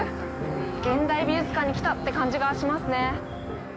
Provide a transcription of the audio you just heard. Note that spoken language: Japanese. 現代美術館に来たって感じがしますね。